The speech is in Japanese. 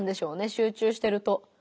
集中してると。